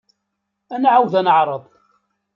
Ad nɛawed ad neɛreḍ.